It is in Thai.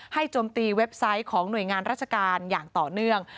โจมตีเว็บไซต์ของหน่วยงานราชการอย่างต่อเนื่อง